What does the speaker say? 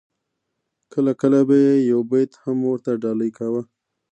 کله کله به یې یو بیت هم ورته ډالۍ کاوه.